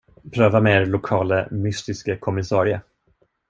Pröva med er lokale mystiske kommissarie.